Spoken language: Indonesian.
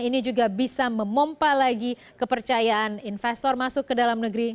ini juga bisa memompah lagi kepercayaan investor masuk ke dalam negeri